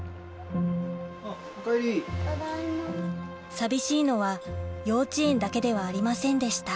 寂しいのは幼稚園だけではありませんでした